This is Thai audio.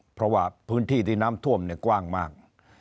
เพราะว่าพื้นที่ที่น้ำท่วมกว้างมาก